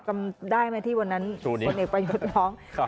กำได้ไหมที่วันนั้นคนเอกประยุดน้อง